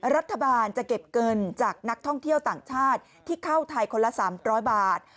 รัฐบาลจะเก็บเงินจากนักท่องเที่ยวต่างชาติที่เข้าไทยคนละ๓๐๐บาท